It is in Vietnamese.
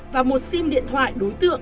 và một sim điện thoại đối tượng